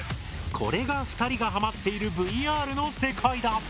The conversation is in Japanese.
これが２人がハマっているＶＲの世界だ。